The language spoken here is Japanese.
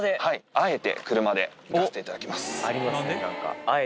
あえて車で行かせていただきます。